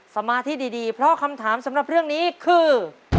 สมาธิดีเพราะคำถามสำหรับเรื่องนี้คือ